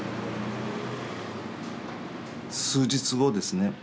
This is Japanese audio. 数日後ですね